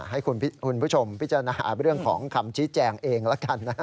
ให้คุณผู้ชมพิจารณาเรื่องของคำชี้แจงเองละกันนะ